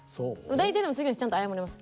大体次の日ちゃんと謝ります。